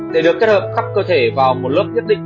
để được kết hợp cắt cơ thể vào một lớp nhất định